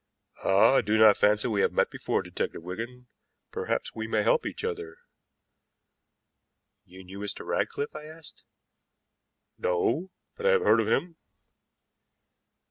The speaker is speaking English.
"Ah, I do not fancy we have met before, Detective Wigan. Perhaps we may help each other." "You knew Mr. Ratcliffe?" I asked. "No, but I have heard of him."